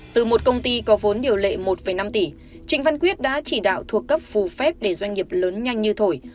từ một công ty có vốn điều lệ một năm tỷ trịnh văn quyết đã chỉ đạo thuộc cấp phù phép để doanh nghiệp lớn nhanh như thổi